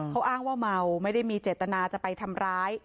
เขาอ้างว่าเมาไม่ได้มีเจตนาจะไปทำร้าย